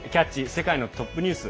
世界のトップニュース」。